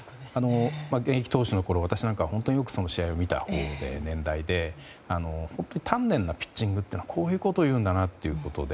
現役投手のころ、私なんかはその試合を見た年代で、本当に丹念なピッチングというのはこういうことを言うんだなということで。